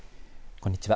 こんにちは。